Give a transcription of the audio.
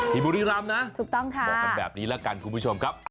พี่บุรีรำนะบอกคำแบบนี้ละกันคุณผู้ชมครับ